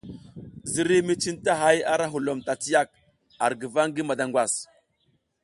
Ziriy mi cintahay arahulom tatiyak ar guva ngi madangwas.